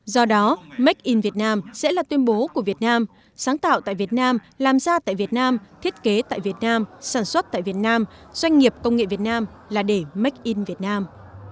do đó make in việt nam sẽ là tuyên bố của việt nam sáng tạo tại việt nam làm ra tại việt nam thiết kế tại việt nam sản xuất tại việt nam doanh nghiệp công nghệ việt nam là để make in việt nam